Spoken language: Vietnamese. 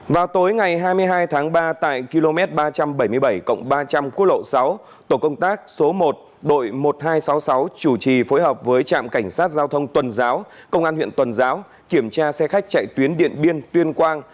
vào tối ngày hai mươi hai tháng ba tại km ba trăm bảy mươi bảy ba trăm linh quốc lộ sáu tổ công tác số một đội một nghìn hai trăm sáu mươi sáu chủ trì phối hợp với trạm cảnh sát giao thông tuần giáo công an huyện tuần giáo kiểm tra xe khách chạy tuyến điện biên tuyên quang